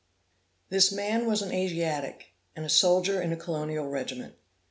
This man was an Asiatic, and a soldier in a colonial regiment.